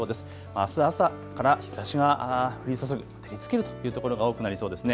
あす朝から日ざしが降り注ぎ照りつけるというところが多くなりそうですね。